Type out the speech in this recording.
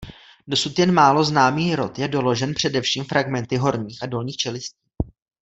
Dosud jen málo známý rod je doložen především fragmenty horních a dolních čelistí.